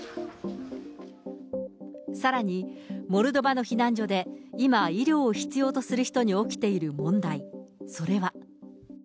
さらに、モルドバの避難所で今、医療を必要とする人に起きている問題、それは。